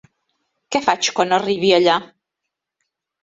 Què faig quan arribi allà?